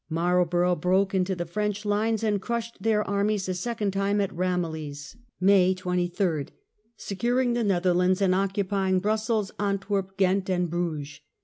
Marlborough broke into the French lines and crushed their armies a second time at Ramillies (May a year of 23), securing the Netherlands, and occupying success. Brussels, Antwerp, Ghent, and Bruges.